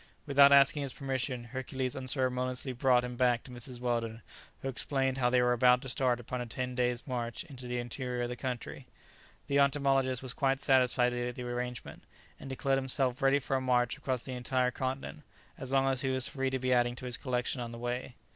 Without asking his permission, Hercules unceremoniously brought him back to Mrs. Weldon, who explained how they were about to start upon a ten days' march into the interior of the country. The entomologist was quite satisfied with the arrangement, and declared himself ready for a march across the entire continent, as long as he was free to be adding to his collection on the way.